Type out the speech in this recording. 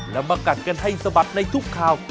แล้วมากัดกันให้สะบัดในทุกข่าว